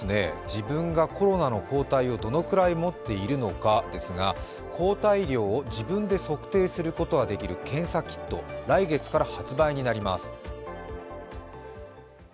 自分がコロナの抗体をどのくらい持っているのかですが、抗体量を自分で測定することができる検査キット、来月から発売になります。